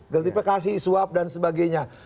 gertipikasi suap dan sebagainya